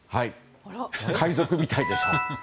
海賊みたいでしょ。